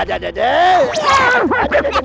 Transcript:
aduh aduh aduh